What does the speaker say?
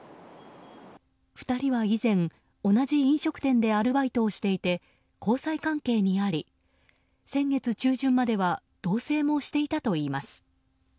２人は以前、同じ飲食店でアルバイトをしていて交際関係にあり、先月中旬までは同棲もしていたといいます。